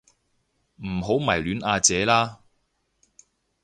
唔好迷戀阿姐啦